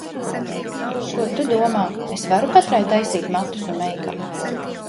Ko tu domā, es varu katrai taisīt matus un meikapu?